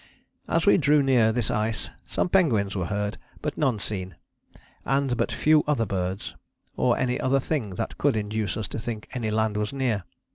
As we drew near this ice some penguins were heard, but none seen; and but few other birds, or any other thing that could induce us to think any land was near.